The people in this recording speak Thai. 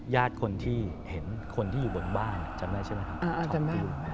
ยาดคนที่เห็นคนที่อยู่บนบ้านจำได้ใช่ไหมครับ